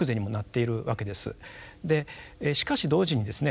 でしかし同時にですね